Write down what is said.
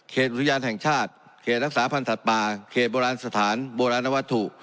อุทยานแห่งชาติเขตรักษาพันธ์สัตว์ป่าเขตโบราณสถานโบราณวัตถุ